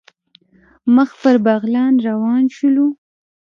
مخ پر بغلان روان شولو.